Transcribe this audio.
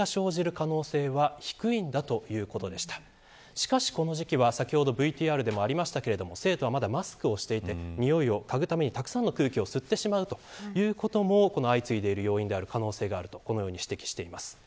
しかしこの時期は、先ほどＶＴＲにもありましたが生徒はまだマスクをしていて臭いをかぐためにたくさんの空気を吸ってしまうということも相次いでいる要因である可能性があると指摘しています。